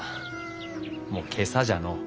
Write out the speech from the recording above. ・もう今朝じゃのう。